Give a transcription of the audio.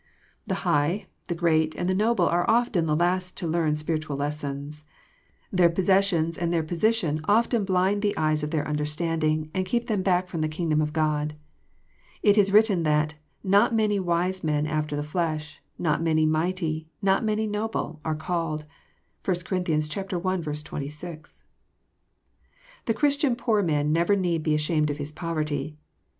The high, the great, and the noble are often the last to learn spirit* ual lessons. Their possessions and their position often blind the eyes of their understanding, and keep them back from the kingdom of God. It is written that ^' not many wise men after the flesh, not many mighty, not many noble, are called." (1 Cor. i. 26.) The Christian poor man never need be ashamed of his poverty.